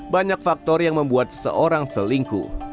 banyak faktor yang membuat seorang perempuan berpikir seperti ini